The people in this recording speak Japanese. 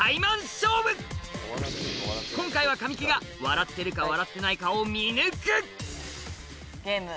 今回は神木が笑ってるか笑ってないかを見抜くゲーム。